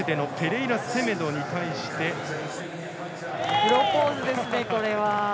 プロポーズですね、これは。